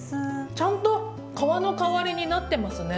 ちゃんと皮の代わりになってますね。